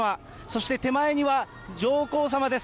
そして手前には上皇さまです。